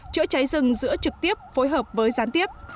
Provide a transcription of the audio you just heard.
chữa cháy rừng giữa trực tiếp phối hợp với gián tiếp